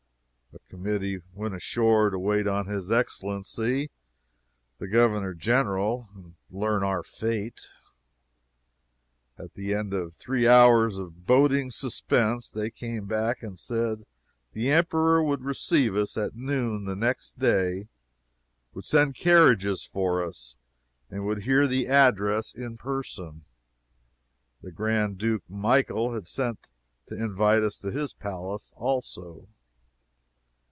A committee went ashore to wait on his Excellency the Governor General, and learn our fate. At the end of three hours of boding suspense, they came back and said the Emperor would receive us at noon the next day would send carriages for us would hear the address in person. The Grand Duke Michael had sent to invite us to his palace also.